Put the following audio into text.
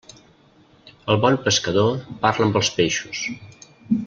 El bon pescador parla amb els peixos.